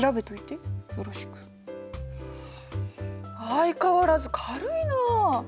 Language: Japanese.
相変わらず軽いな。